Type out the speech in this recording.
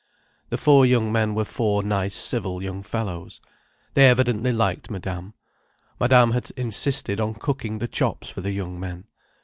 The four young men were four nice civil young fellows. They evidently liked Madame. Madame had insisted on cooking the chops for the young men.